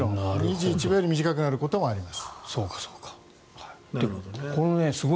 ２１秒より短くなることもあります。